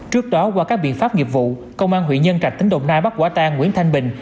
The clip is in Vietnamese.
trước đó qua các biện pháp nghiệp vụ công an huyện nhân trạch tỉnh đồng nai bắt quả tang nguyễn thanh bình